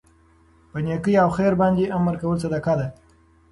په نيکي او خیر باندي امر کول صدقه ده